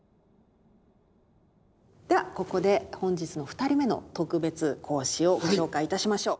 ではここで本日の２人目の特別講師をご紹介いたしましょう。